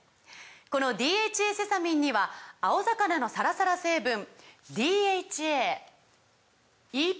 この「ＤＨＡセサミン」には青魚のサラサラ成分ＤＨＡＥＰＡ